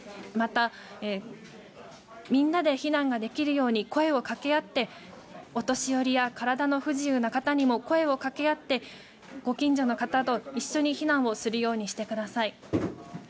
またみんなで避難ができるように声を掛け合ってお年寄りや体の不自由な方にも声を掛け合ってご近所の方と一緒に避難するようにしてください。